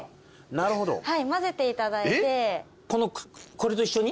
これと一緒に？